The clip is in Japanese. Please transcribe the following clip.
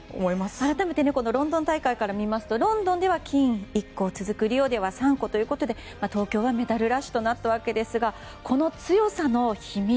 改めてロンドン大会から見ますとロンドンでは金１個続くリオでは３個ということで東京はメダルラッシュとなったわけですがこの強さの秘密